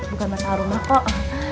bukan masalah rumah kok